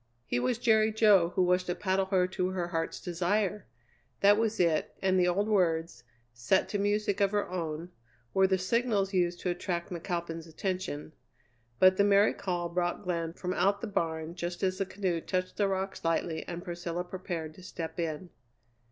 He was Jerry Jo who was to paddle her to her Heart's Desire! That was it, and the old words, set to music of her own, were the signals used to attract McAlpin's attention. But the merry call brought Glenn from out the barn just as the canoe touched the rocks lightly, and Priscilla prepared to step in.